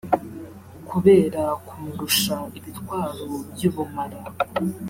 kubera kumurusha ibitwaro by’ubumara